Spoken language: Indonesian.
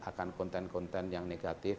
akan konten konten yang negatif